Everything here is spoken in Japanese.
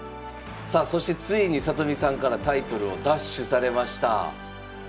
さあそしてついに里見さんからタイトルを奪取されました。